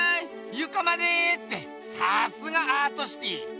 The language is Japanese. ゆかまでってさすがアートシティー！